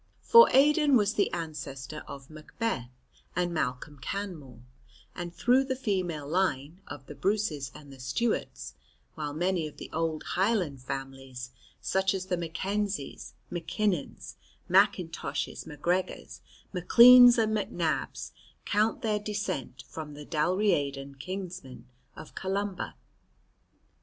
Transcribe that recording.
For Aidan was the ancestor of Macbeth and Malcolm Canmore, and through the female line, of the Bruces and the Stuarts, while many of the old Highland families, such as the Mackenzies, MacKinnons, Mackintoshes, Macgregors, Macleans and Macnabs, count their descent from the Dalriadan kinsmen of Columba.